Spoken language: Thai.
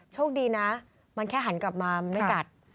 โชคดีนะมันแค่หันกลับมามันไม่กัด